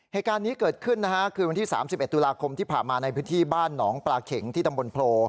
เหตุการณ์นี้เกิดขึ้นนะฮะคืนวันที่๓๑ตุลาคมที่ผ่านมาในพื้นที่บ้านหนองปลาเข็งที่ตำบลโพ